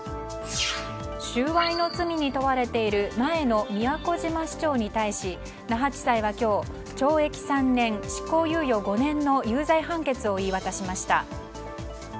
収賄の罪に問われている前の宮古島市長に対し那覇地裁は今日懲役３年、執行猶予５年の有罪判決を言い渡しました。